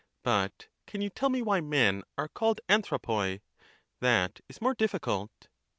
But can you tell me why men are called avOpui noi} — that is more difficult.